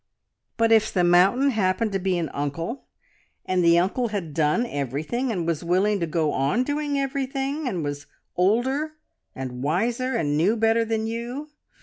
"But if the mountain happened to be an uncle, and the uncle had done everything, and was willing to go on doing everything, and was older and wiser, and knew better than you?